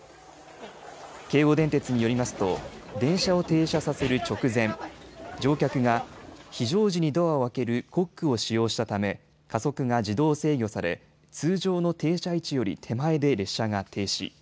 京王電鉄によりますと電車を停車させる直前、乗客が非常時にドアを開けるコックを使用したため加速が自動制御され通常の停車位置より手前で列車が停止。